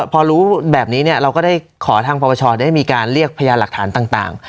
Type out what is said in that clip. พอรู้แบบนี้เนี่ยเราก็ได้ขอทางปปชได้มีการเรียกพยานหลักฐานต่าง